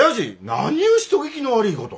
何ゅう人聞きの悪いこと。